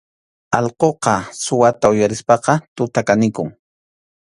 Allquqa suwata uyarispaqa tuta kanikun.